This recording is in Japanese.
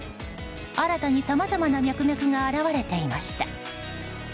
新たにさまざまなミャクミャクが現れていました。